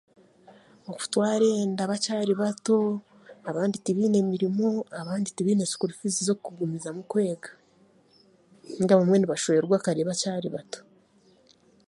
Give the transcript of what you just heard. Okutwara enda bakyari bato, abandi tibaine mirimo, abandi tibiine sikuru fiizi z'okugumizamu kwega, nainga abamwe nibashwerwa kare bakyari bato.